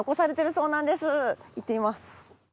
行ってみます。